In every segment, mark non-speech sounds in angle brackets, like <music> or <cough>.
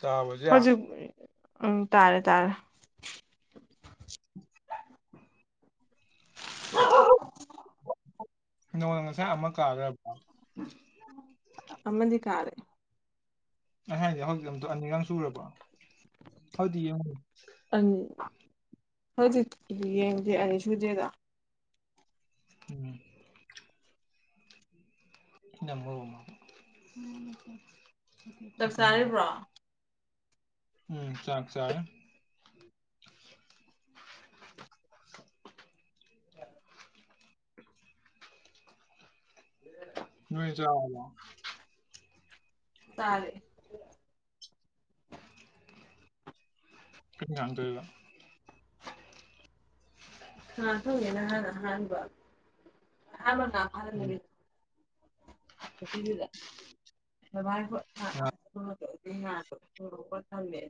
ꯇꯥꯕꯖꯦ ꯍꯧꯖꯤꯛ ꯎꯝ ꯇꯥꯔꯦ ꯇꯥꯔꯦ <inaudible> ꯅꯣꯡꯅ ꯉꯁꯥꯏ ꯑꯃ ꯀꯥꯈ꯭ꯔꯕ꯭ꯔꯥ ꯑꯃꯟꯗꯤ ꯀꯥꯔꯦ ꯑꯩ ꯍꯥꯏꯅꯤ ꯍꯧꯖꯤꯛ ꯑꯝ ꯑꯅꯤꯒ ꯁꯨꯔꯕ ꯍꯧꯗꯤ ꯌꯦꯡꯉ ꯑꯅꯤ ꯍꯧꯖꯤꯛꯇꯗꯤ ꯌꯦꯡꯗꯦ ꯑꯅꯤ ꯁꯨꯗꯦꯗ ꯎꯝ ꯝꯕ ꯋꯥꯃ ꯑ ꯆꯥꯛ ꯀꯉ ꯄ ꯆꯥꯔꯤꯕ꯭ꯔꯣ ꯎꯝ ꯆꯥꯛ ꯆꯥ <inaudible> ꯎꯝ <inaudible> ꯎ ꯆ ꯆꯥꯔꯦ ꯀ ꯀꯗꯒ ꯑ ꯍꯦꯅ ꯍ ꯍꯕ ꯎꯝ ꯍꯃ ꯗꯕꯥ ꯑ ꯊ ꯀꯊꯃꯦ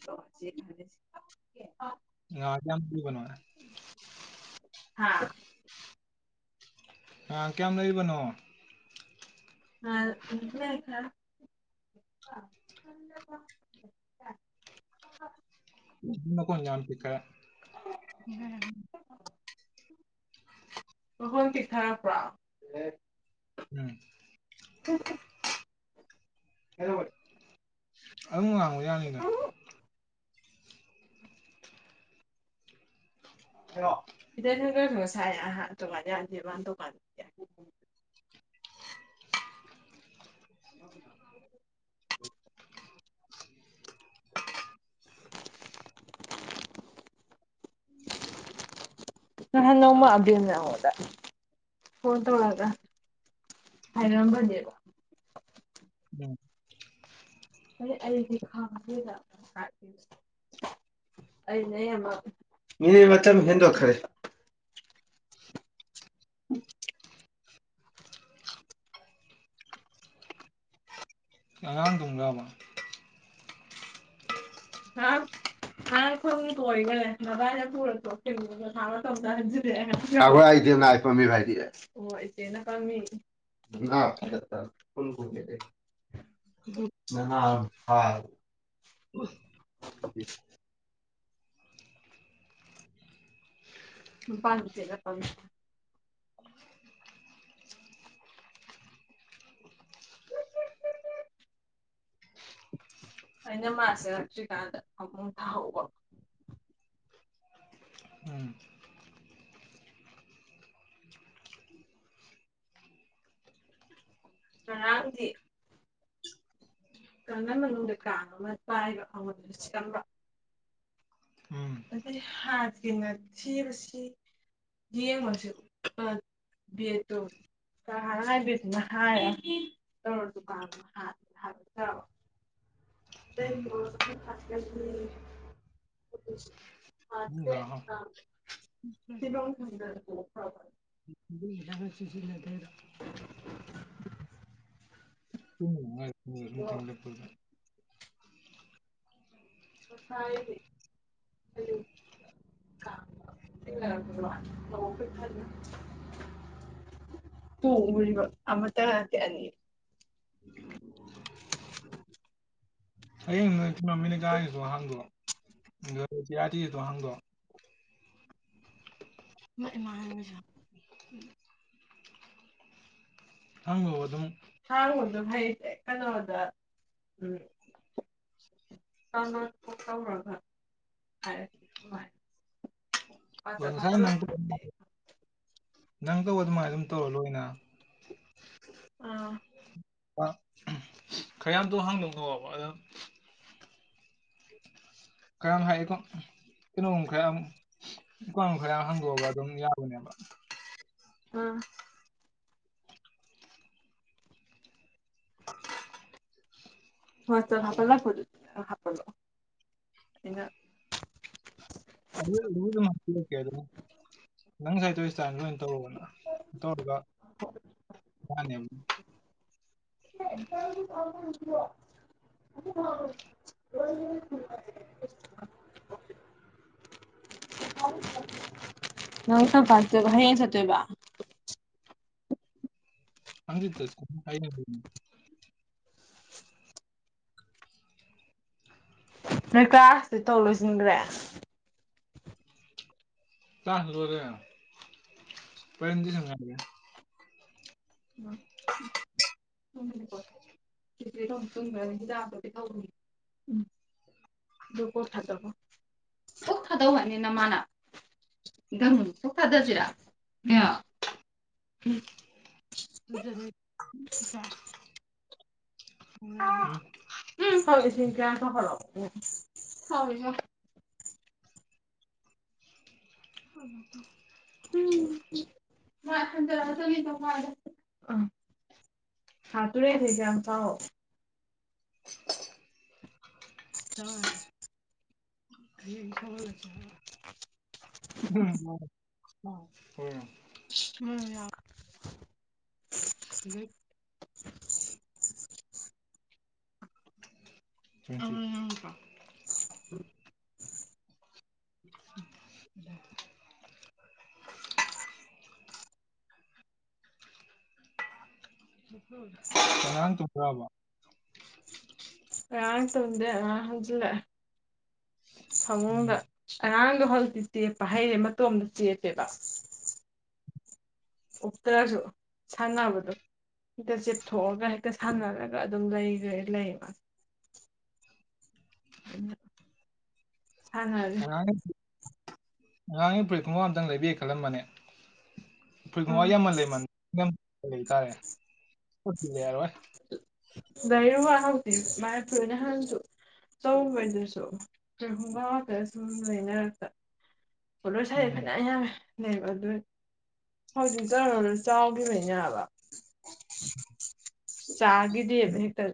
ꯀ ꯀꯅ ꯍꯥꯥ ꯀꯌꯥꯝ ꯂꯩꯔꯤꯕꯅꯣ ꯑ ꯌꯥ <unintelligible> ꯏꯅ ꯀꯣꯟ ꯥꯟ ꯄꯤꯈ꯭ꯔꯦ ꯄꯍꯣꯟ ꯄꯁꯔ ꯄ ꯎꯝ ꯍꯗ ꯑꯣꯏ ꯑꯗꯨꯝ ꯉꯥꯡꯕ ꯌꯥꯅꯤꯗ ꯍꯂꯣ ꯏꯗ ꯅ ꯀ ꯁꯥꯏꯍ ꯇꯣꯉꯥꯟ ꯌꯥꯗꯦꯕ ꯇꯣꯉꯥꯟ <inaudible> <inaudible> <unintelligible> <inaudible> ꯅꯧꯃ ꯑꯅ ꯍꯗ ꯍ ꯇꯒ ꯍꯥꯏꯗꯔꯕꯥꯕ ꯎꯝ ꯑꯩ ꯑꯩꯗꯤ ꯈꯥꯒꯦꯗ ꯑꯩ ꯃꯤꯅꯤ ꯃꯇꯝ ꯍꯦꯟꯗꯣꯛꯈꯔꯦ ꯑꯣ ꯑꯥꯡ ꯇꯨꯡꯒꯕ ꯍꯥ ꯑ ꯑꯩꯈꯣꯏ ꯀꯣꯏꯈꯂꯦ ꯕꯥꯅ ꯄꯨꯔꯦ ꯊ ꯇꯧꯟꯖꯤꯛꯑꯦ ꯅ ꯄꯝꯃꯤ ꯥꯏꯗꯤ ꯑ ꯐꯒ ꯑ ꯐ ꯆꯦꯂ ꯀ <inaudible> ꯑꯩꯅꯃ ꯆꯦꯔꯁꯤ ꯀꯗ ꯑꯃꯨꯡ ꯇꯥꯎꯕ ꯎꯝ ꯑꯥꯡꯗꯤ ꯀꯅ ꯃꯅꯨꯡꯗ ꯀꯥꯡ ꯑꯃ ꯄꯥꯏꯕ ꯑꯃꯗꯨꯅ ꯁꯦꯝꯕ ꯎꯝ ꯑꯗꯩ ꯍꯥꯠꯒꯤꯅ ꯊꯕꯁꯤ ꯌꯦ ꯉꯁꯦꯠꯇ ꯀ ꯍꯥꯏꯕꯤꯗꯨꯅ ꯍꯥꯏ ꯇꯧꯔ ꯗꯨꯀꯥꯟꯗꯣ ꯍꯥ ꯍꯥꯏꯕ ꯎꯝ ꯑ ꯊ ꯃꯦ ꯑ ꯁꯤꯃ ꯊ ꯗꯥ ꯆꯁꯤꯂ ꯐꯔ ꯑꯗꯣ ꯊꯡꯂ ꯄꯨꯗ ꯑꯁꯗꯤ <unintelligible> ꯇꯨꯡ ꯃꯔꯤꯕ ꯑꯃ ꯇ ꯉꯇ ꯑꯅꯤ ꯍꯌꯦꯡ ꯅ ꯆꯣꯃꯤꯅ ꯀꯥꯏꯁꯨ ꯍꯥꯡꯗꯣ ꯔꯗꯤ ꯌꯥꯗꯤ ꯇꯣ ꯍꯪꯒꯣ ꯃ ꯏꯃꯥꯟꯂ ꯈꯥꯡꯕꯕ ꯑꯗꯨꯝ ꯍꯥꯡꯗꯨ ꯍꯩꯗꯦ ꯀꯩꯅꯣꯗ ꯎꯝ ꯇ ꯀꯣꯛꯀꯔꯚ ꯍꯥꯏꯔ ꯃꯥ ꯁꯥꯏꯦ ꯅꯪ ꯇꯧꯕ ꯑꯗꯨꯃꯥꯏꯅ ꯑꯗꯨꯝ ꯇꯧꯔ ꯂꯣꯏꯅ ꯑꯥ ꯈꯔꯇꯣ ꯍꯥꯡꯗꯣꯛꯅꯕ ꯑꯗꯣ ꯀꯔꯝ ꯍꯥꯏꯌꯦꯀꯣ ꯀꯩꯅꯣꯝ ꯈꯔ ꯎꯄꯥ ꯈꯔ ꯍꯥꯡꯗꯣꯛꯑꯒ ꯑꯗꯨꯝ ꯌꯥꯕꯅꯦꯕ ꯑꯝ ꯍꯣꯏ ꯆ ꯍꯥꯄ ꯂ ꯍꯥꯄ ꯂꯑꯣ ꯑꯩꯅ ꯑꯗꯨ ꯑꯗꯨ ꯑꯗꯨꯝ ꯍꯥꯏꯕꯤꯔꯛꯀꯦ ꯑꯗꯨꯝ ꯅꯪ ꯁꯥꯏꯇꯣꯏ ꯁꯇꯥꯏ ꯂꯣꯏ ꯇꯧꯔꯨꯕꯅ ꯇꯧꯔꯒ ꯏꯅꯦ <unintelligible> <unintelligible> ꯁꯄꯕ ꯍꯦ ꯆꯇꯦꯕ ꯑꯪꯗꯤ ꯀ ꯅꯣꯏ ꯀ꯭ꯂꯥꯁꯇꯤ ꯇꯧ ꯂꯣꯏꯁꯤꯟꯈ꯭ꯔꯦ ꯆꯥꯁꯔ ꯄꯗꯤ ꯁꯉꯥꯏꯔꯦ ꯑꯝ ꯎ ꯀꯣꯤꯆꯦ ꯊ ꯇꯨꯝꯈ꯭ꯔꯗꯤ ꯍꯤꯗꯥꯛꯇꯗꯤ ꯇꯧꯕꯅꯤ ꯎꯝ ꯑꯗꯨ ꯀꯣꯛ ꯊꯥꯗꯧꯕ ꯀꯣꯛ ꯊꯥꯗꯧ ꯍꯥꯏꯅꯤꯅ ꯃꯥꯅ ꯆ ꯈꯥꯗꯖꯤꯔꯥ ꯑ ꯎ ꯍꯁꯤ ꯀ ꯁ ꯐꯂꯣ ꯎ ꯑꯗꯣ ꯎꯝ ꯃꯥ ꯈꯟꯗ ꯆ ꯑ ꯍꯥꯇꯨꯔꯦ ꯍꯥꯏꯖꯝ ꯊꯥꯎ ꯍ ꯑ ꯎꯝ ꯎꯝ ꯌꯥ ꯑꯗꯨ ꯑ ꯀ <unintelligible> <inaudible> <inaudible> ꯑꯉꯥꯡ ꯇꯨꯝꯒ꯭ꯔꯥꯕꯣ ꯌꯥꯥꯡ ꯇꯨꯝꯗꯦ ꯑꯉꯥꯡ ꯍꯟꯒꯤꯟꯂꯛꯑꯦ ꯐꯃꯨꯡꯗ ꯎꯝ ꯑꯉꯥꯡ ꯣ ꯍꯧꯖꯤꯛꯇꯤ ꯆꯦꯞꯄ ꯍꯩꯔꯦ ꯃꯇꯣꯝꯇ ꯆꯦꯞꯄꯦꯕ ꯎ ꯇꯔꯁꯨ ꯁꯅꯕꯗꯨ ꯍꯦꯛꯇ ꯆꯤꯞꯊꯣꯛꯑꯒ ꯍꯦꯛꯇ ꯁꯥꯟꯅꯔꯒ ꯑꯗꯨꯝ ꯂꯩ ꯂꯩꯕ ꯊꯥꯡꯉꯔꯦ ꯉꯉꯥꯡꯒꯤ ꯐꯨꯔꯤꯠ ꯄꯨꯝꯐꯝ ꯑꯇꯪ ꯂꯩꯕꯤꯦ ꯈꯜꯂꯝꯕꯅꯦ ꯎꯝ ꯑꯩꯈꯣꯏꯋꯥ ꯌꯥꯝꯃꯟ ꯂꯩꯃꯟ ꯂꯩꯇꯥꯔꯦꯔꯣꯏ ꯂꯩꯔꯨꯒꯟ ꯍꯧꯇꯤ ꯃꯥꯏ ꯐꯨꯔꯤ ꯅꯍꯟꯁꯨ ꯇꯧꯕꯗꯨꯁꯨ ꯋꯥꯒ ꯁꯨꯝ ꯂꯣꯏꯅꯔꯒ ꯍꯂꯣꯁꯥꯏ ꯎꯝ ꯅꯦꯕ ꯑꯗꯨ ꯍꯧꯖꯤꯛ ꯆꯔꯨꯔ ꯆꯥꯎꯈꯤꯕꯅꯦꯕ ꯎꯝ ꯆꯥꯈꯤꯗꯦꯕ ꯍꯦꯛꯇ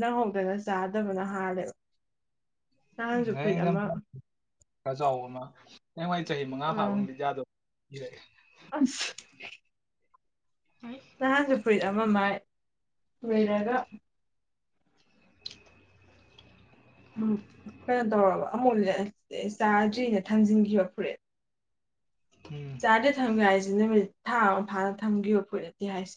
ꯅꯪꯍꯧꯗꯅ ꯆꯥꯗꯕꯅ ꯍꯥꯜꯂꯦꯕ ꯅꯍꯥꯟꯁꯨ ꯐꯨꯔꯤꯠ ꯍꯗ ꯑꯃ ꯔꯖꯥ ꯅꯌꯦꯡꯋꯥꯏ ꯆꯍꯤ ꯃꯉꯥ ꯑꯥ ꯐꯥꯕꯒ ꯖꯥꯗꯣꯔꯒꯦ ꯑꯁ ꯅꯍꯥꯟꯁꯨ ꯐꯨꯔꯤꯠ ꯑꯃ ꯃꯥꯏ ꯂꯣꯏꯔꯒ ꯎꯝ ꯀꯩꯅꯣ ꯇꯧꯔꯕ ꯑꯃꯨꯛ ꯆꯥꯗ꯭ꯔꯤꯅ ꯊꯝꯖꯤꯟꯈꯤꯕ ꯐꯔꯤꯦꯠ ꯎꯝ ꯆꯥꯗꯦ ꯊꯝꯒꯦ ꯍꯥꯏꯁꯦ ꯅꯨꯃꯤꯠ ꯊꯥ ꯑꯃ ꯐꯥꯅ ꯊꯝꯈꯤꯕ ꯐꯨꯔꯠꯇꯦ ꯍꯥꯏꯁꯦ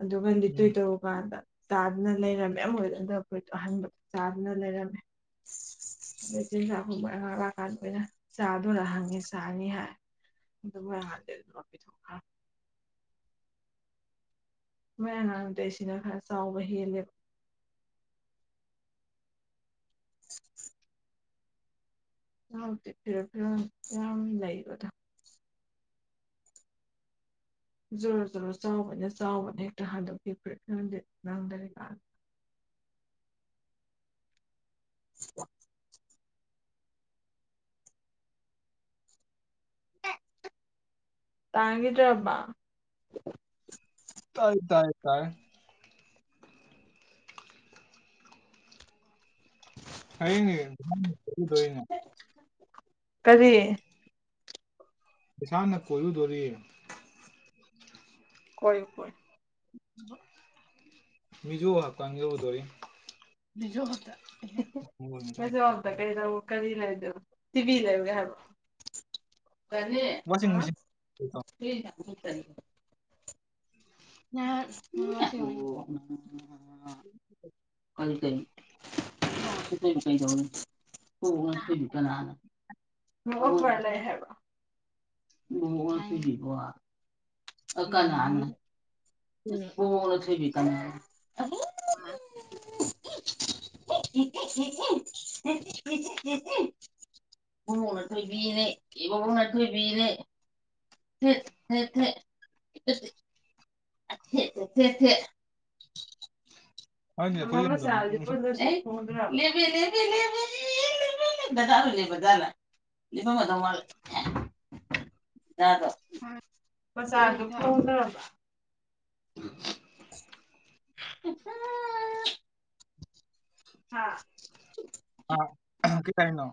ꯑꯗꯨ ꯟ ꯎꯝ ꯇꯣꯣꯏ ꯇ ꯍꯕꯗ ꯆꯥꯗꯨꯅ ꯂꯩꯔꯝꯃꯦ ꯑꯃ ꯑꯣꯏꯣꯏꯗꯟꯗꯄꯣꯏꯠꯇꯣ ꯑꯍꯟꯕ ꯆꯥꯗꯨꯅ ꯂꯩꯔꯝꯃꯦ ꯑꯩ ꯆꯤꯟꯖꯥꯛꯈꯨꯝꯕ ꯉ ꯂꯥꯛꯑꯀꯥꯟꯗꯈꯣꯏꯅ ꯆꯥꯗꯅ ꯍꯪꯉꯤ ꯆꯥꯅꯤ ꯍꯥꯏ ꯑꯗꯨ ꯄꯣꯏ ꯑꯉꯥꯡꯗ ꯂꯤꯠꯂꯣ ꯄꯤꯊꯣꯛꯈꯔꯝ ꯃꯣꯏ ꯑꯉꯥꯡꯗꯩ ꯁꯤꯅ ꯈꯔ ꯆꯥꯎꯕ ꯍꯦꯜꯂꯦꯕ ꯉꯛꯇꯤ ꯐꯤꯔꯣ ꯐꯤꯔꯣ ꯌꯥꯝ ꯂꯩꯕꯗ ꯖꯔꯣ ꯖꯔꯣ ꯆꯥꯎꯕꯅꯦ ꯆꯥꯎꯕꯅꯦ ꯍꯦꯛꯇ ꯍꯟꯗꯣꯛꯄꯤ ꯐ꯭ꯔꯦ ꯈꯪꯗꯤꯦ ꯅꯪꯗꯔꯤꯀꯥ ꯑ <unintelligible> ꯇꯥꯡꯒꯗꯕ ꯇꯥꯏ ꯇꯥꯏ ꯇꯥꯏ ꯑꯩꯅꯦꯅꯦ ꯀꯔꯤ ꯏꯁꯁꯥꯅ ꯀꯣꯏꯔꯨꯗꯣꯔꯤ ꯀꯣꯏ ꯀꯣꯏ ꯃꯤꯖꯣ ꯍꯞꯀ ꯌꯧꯔꯨꯗꯧꯔꯤ ꯃꯁ ꯋꯥꯗ ꯀꯩꯗ ꯀꯔꯤꯂ ꯁꯤꯤꯕꯤ ꯂꯩ ꯌꯥ ꯀꯅꯤ ꯋꯥꯁꯤꯡ ꯃꯦꯆꯤꯟ ꯌꯥ ꯃꯁꯤ ꯌ ꯀꯔꯤ ꯀꯔꯤ ꯀ ꯀꯗꯅ ꯍ ꯉꯗꯤ ꯀꯅꯥꯅ ꯂꯩ ꯍꯥꯏꯕ ꯑꯣ ꯋꯥ ꯁꯤꯒꯤꯕ ꯑ ꯀ ꯂꯅ ꯇꯥꯏꯃꯤꯡ ꯊꯣꯏꯕꯤ ꯀ <inaudible> ꯕꯕꯨꯡꯅ ꯊꯣꯏꯕꯤꯅꯦꯦ ꯏ ꯕꯨꯡꯅ ꯊꯣꯏꯕꯤꯅꯦꯦ ꯊꯦꯠ ꯊꯦꯠ ꯊꯦꯠ ꯦꯦ ꯊꯦ ꯊꯦ ꯍꯥꯏꯅꯦ ꯑꯩꯈꯣꯏ ꯑꯃ ꯃ ꯌꯨꯝꯗ ꯁꯗꯤ ꯅꯨꯡꯁꯥ ꯄꯨꯗꯗꯤ ꯕꯗꯥꯥꯔ ꯂꯩꯦꯕꯗꯂ ꯐꯝ ꯎ ꯃꯆꯥꯥ ꯑꯗꯨ ꯐꯧꯗ꯭ꯔꯕ <inaudible> ꯎ ꯍꯥ ꯇꯥꯏꯅ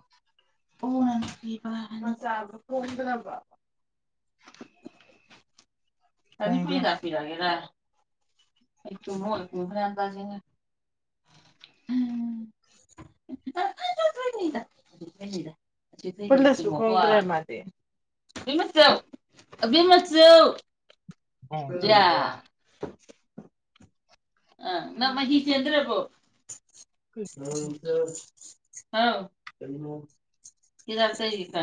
ꯑꯣ ꯅ ꯑꯅꯤ ꯍꯣꯡꯗꯦ ꯄꯨꯏ ꯀꯥꯁꯤꯤꯔꯒꯦꯔ ꯕ꯭ꯔꯩꯅ <inaudible> ꯂꯨ ꯃꯥ ꯃꯆꯃꯆ ꯍꯣꯡꯉꯛꯇꯦ ꯖꯌꯥ ꯑ ꯑꯗꯨꯗ ꯅꯪꯃꯍꯤ ꯆꯦꯟꯗ꯭ꯔꯦꯕꯨꯣ ꯍ ꯍꯥꯎ ꯀ ꯏꯥ ꯀꯥꯏ ꯂꯩꯅꯦ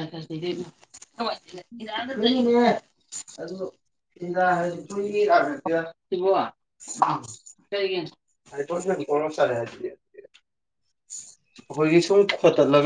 ꯑꯗꯨ ꯁꯤ ꯍꯥꯏ ꯁꯤꯕ ꯀꯒꯤ ꯍꯥꯏꯣ ꯀꯣꯁꯥ ꯍꯥꯏꯦ <unintelligible> <inaudible> ꯈꯣꯏꯒꯤ ꯁ ꯈꯇꯔ ꯂ